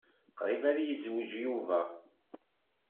Qṛib ad yezweǧ Yuba.